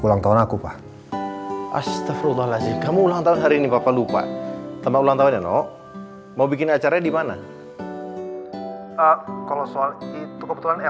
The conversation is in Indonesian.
assalamualaikum berkat allah